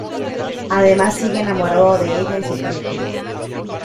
Además sigue enamorado de ella en secreto.